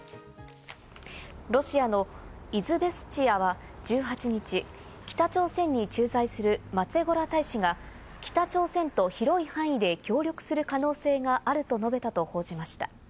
ロシアのイズベスチヤは１８日、北朝鮮に駐在するマツェゴラ大使が北朝鮮と広い範囲で協力する可能性があると述べたと報じました。